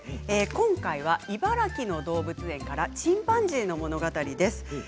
今回は茨城の動物園からチンパンジーの物語です。